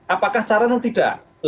apakah cara ini tidak